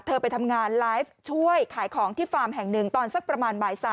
ไปทำงานไลฟ์ช่วยขายของที่ฟาร์มแห่งหนึ่งตอนสักประมาณบ่าย๓